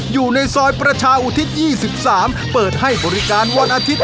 อยู่ในซอยประชาอุทิศ๒๓เปิดให้บริการวันอาทิตย